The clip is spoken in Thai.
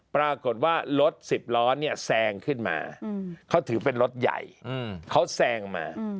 ปรากฏว่ารถสิบล้อเนี่ยแซงขึ้นมาเขาถือเป็นรถใหญ่เขาแซงมา